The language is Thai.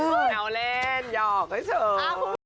เอาเล่นหยอกก็เฉิน